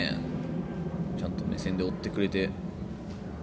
ちゃんと目線で追ってくれて。